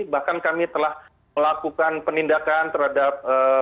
bahkan kami telah melakukan penindakan terhadap